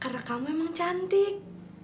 karena kamu memang cantik